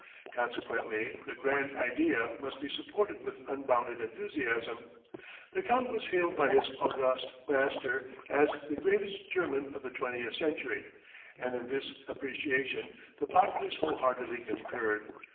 Consequently the Grand Idea must be supported with unbounded enthusiasm. The Count was hailed by his august master as "The greatest German of the twentieth century," and in this appreciation the populace wholeheartedly concurred.